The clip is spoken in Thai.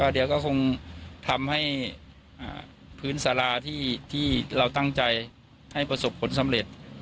เดี๋ยวก็คงทำให้พื้นสาราที่เราตั้งใจให้ประสบผลสำเร็จ